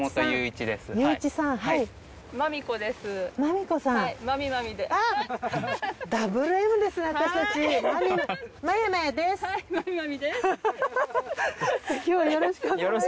じゃ今日はよろしくお願いします。